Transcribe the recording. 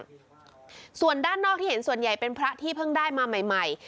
ส่วนด้านนอกที่เห็นส่วนใหญ่เป็นพระที่เพิ่งได้มาใหม่ใหม่